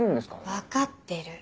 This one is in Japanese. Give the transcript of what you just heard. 分かってる。